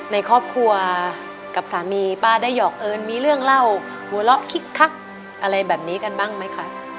ในครอบครัวกับสามีป้าได้หอกเอิญมีเรื่องเล่าหัวเราะคิกคักอะไรแบบนี้กันบ้างไหมคะ